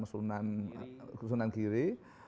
makanan sunan giri